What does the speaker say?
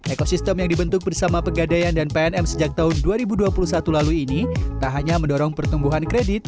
ekosistem yang dibentuk bersama pegadaian dan pnm sejak tahun dua ribu dua puluh satu lalu ini tak hanya mendorong pertumbuhan kredit